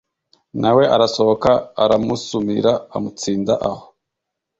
na we arasohoka aramusumira, amutsinda aho.